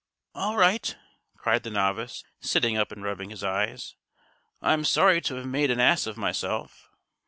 "All right," cried the novice, sitting up and rubbing his eyes. "I'm sorry to have made an ass of myself."